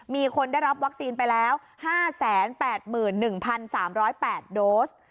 มีคนได้รับวัคซีนไปแล้ว๕๘๑๓๐๘โดส